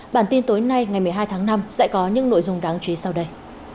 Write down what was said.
bản tin tối nay ngày một mươi hai tháng năm sẽ có những nội dung đáng chú ý sau đây